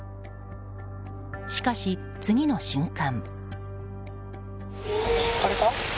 しかし、次の瞬間。